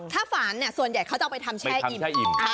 ถ้าฝันส่วนใหญ่เขาจะเอาไปทำแช่อิ่ม